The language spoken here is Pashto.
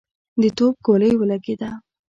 د توپ ګولۍ ولګېده.